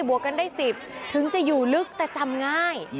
วกกันได้๑๐ถึงจะอยู่ลึกแต่จำง่าย